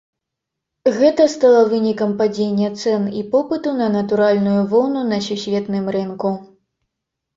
Гэта стала вынікам падзення цэн і попыту на натуральную воўну на сусветным рынку.